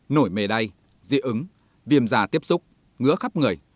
nổi mề đay di ứng viêm già tiếp xúc ngứa khắp người